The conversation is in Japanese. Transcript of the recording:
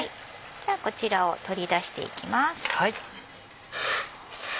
じゃあこちらを取り出していきます。